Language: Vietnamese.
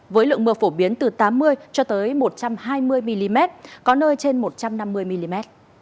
với lượng mưa phổ biến từ tám mươi cho tới một trăm hai mươi mm có nơi trên một trăm năm mươi mm